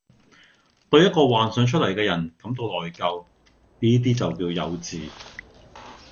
對一個幻想出來嘅人感到內疚，呢啲就叫幼稚